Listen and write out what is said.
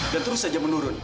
dan terus saja menurun